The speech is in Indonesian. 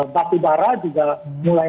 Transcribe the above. batu bara juga mulai